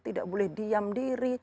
tidak boleh diam diri